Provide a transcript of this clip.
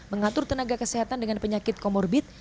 mengatur tenaga kesehatan dengan penyakit komorbit